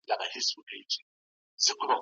د پښتو د روزنې لپاره باید نوي کورسونه پیل سي.